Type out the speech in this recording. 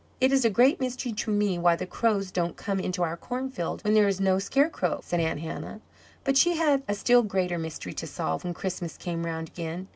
"It is a great mystery to me why the crows don't come into our cornfield, when there is no scarecrow," said Aunt Hannah. But she had a still greater mystery to solve when Christmas came round again.